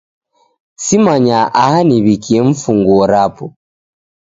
Simanyaa aha niw'ikie mifunguo rapo.